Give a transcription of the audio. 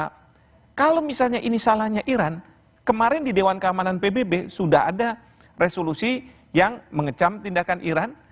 karena kalau misalnya ini salahnya iran kemarin di dewan keamanan pbb sudah ada resolusi yang mengecam tindakan iran